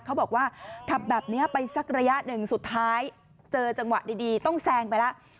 เขาบอกว่าขับแบบนี้ไปสักระยะหนึ่งสุดท้ายเจอจังหวะดีต้องแซงไปแล้ว